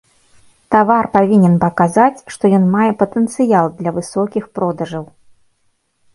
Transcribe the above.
Тавар павінен паказаць, што ён мае патэнцыял для высокіх продажаў.